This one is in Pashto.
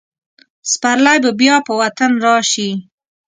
سپرلی به بیا په وطن راشي.